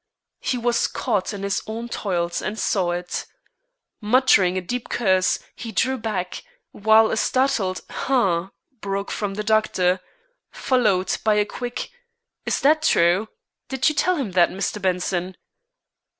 He was caught in his own toils and saw it. Muttering a deep curse, he drew back, while a startled "Humph!" broke from the doctor, followed by a quick, "Is that true? Did you tell him that, Mr. Benson?"